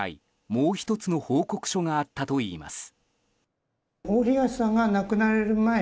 もう１つの報告書があったといいます。